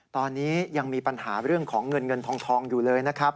ตอนนี้ยังมีปัญหาเรื่องของเงินเงินทองอยู่เลยนะครับ